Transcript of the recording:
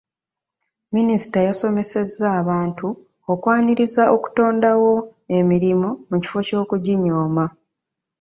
Minisita yasomesezza abantu okwaniriza okutondawo emirimu mu kifo ky'okuginoonya.